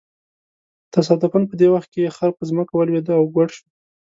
تصادفاً په دې وخت کې یې خر په ځمکه ولویېد او ګوډ شو.